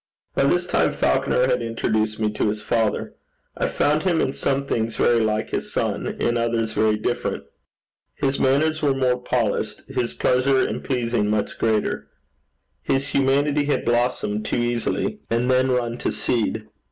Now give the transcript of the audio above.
By this time Falconer had introduced me to his father. I found him in some things very like his son; in others, very different. His manners were more polished; his pleasure in pleasing much greater: his humanity had blossomed too easily, and then run to seed.